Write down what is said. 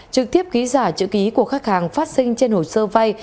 trực tiếp ghi giả chữ ký của khách hàng phát sinh trên hồ sơ vai